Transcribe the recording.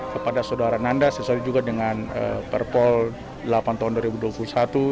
kepada saudara nanda sesuai juga dengan perpol delapan tahun dua ribu dua puluh satu